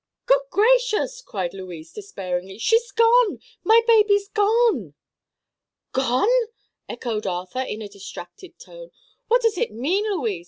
"Good gracious!" cried Louise, despairingly; "she's gone—my baby's gone!" "Gone?" echoed Arthur, in a distracted tone. "What does it mean, Louise?